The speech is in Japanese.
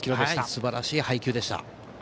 すばらしい配球でした。